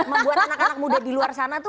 membuat anak anak muda di luar sana tuh